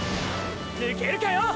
抜けるかよ！！